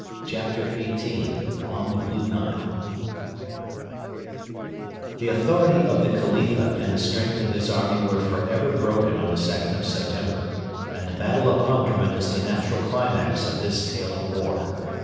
CHAPTER XVIII: ON THE BLUE NILE The authority of the Khalifa and the strength of his army were for ever broken on the 2nd of September, and the battle of Omdurman is the natural climax of this tale of war.